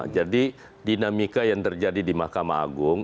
jadi dinamika yang terjadi di mahkamah agung